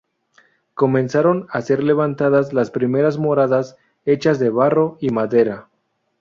Comenzaron a ser levantadas las primeras moradas, hechas de barro y madera.